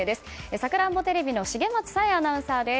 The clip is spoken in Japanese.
さくらんぼテレビの重松沙恵アナウンサーです。